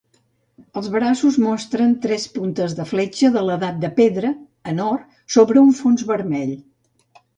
Els braços mostren tres puntes de fletxa de l'edat de pedra en or sobre un fons vermell.